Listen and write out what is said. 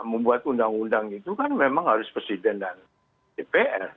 membuat undang undang itu kan memang harus presiden dan dpr